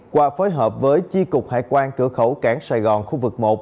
qua phối hợp với chi cục hải quan cửa khẩu cảng sài gòn khu vực một